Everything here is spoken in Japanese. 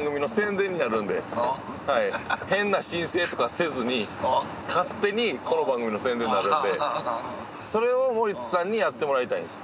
そしたら変な申請とかせずに勝手にこの番組の宣伝になるんでそれを森田さんにやってもらいたいんです。